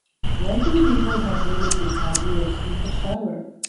Why do people have really good ideas in the shower?